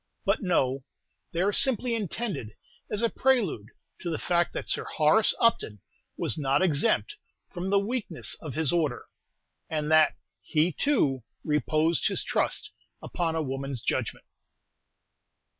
But no; they are simply intended as a prelude to the fact that Sir Horace Upton was not exempt from the weakness of his order, and that he, too, reposed his trust upon a woman's judgment.